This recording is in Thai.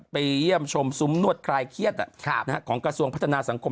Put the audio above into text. ไปเยี่ยมชมซุมนวดคลายเคียดอ่ะครับนะฮะของกระทรวงพัฒนาสังคม